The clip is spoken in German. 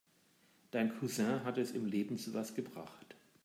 Dein Cousin hat es im Leben zu was gebracht.